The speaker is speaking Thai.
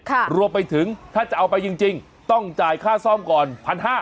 ค่ะรวมไปถึงถ้าจะเอาไปจริงจริงต้องจ่ายค่าซ่อมก่อนพันห้า